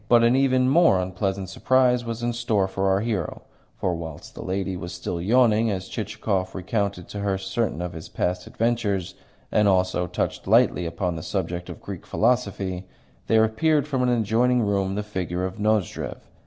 But an even more unpleasant surprise was in store for our hero; for whilst the young lady was still yawning as Chichikov recounted to her certain of his past adventures and also touched lightly upon the subject of Greek philosophy, there appeared from an adjoining room the figure of Nozdrev.